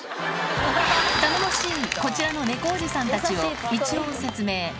頼もしいこちらの猫おじさんたちを一応説明。